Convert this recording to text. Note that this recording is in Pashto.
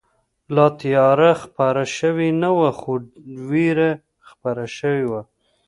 لا تیاره خپره شوې نه وه، خو وېره خپره شوې وه.